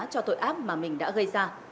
cho tội áp mà mình đã gây ra